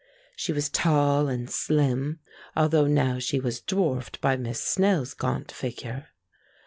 She was tall and slim, although now she was dwarfed by Miss Snell's gaunt figure.